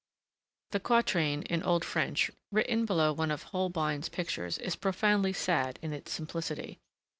The quatrain in old French written below one of Holbein's pictures is profoundly sad in its simplicity.